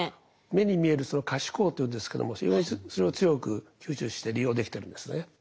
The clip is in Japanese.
目に見えるその可視光というんですけども非常にそれを強く吸収して利用できてるんですね。